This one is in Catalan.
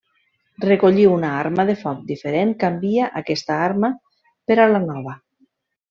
Recollir una arma de foc diferent canvia aquesta arma per a la nova.